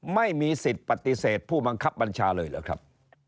ไม่มีสิทธิ์ปฏิเสธผู้บังคับบัญชาเลยเหรอครับ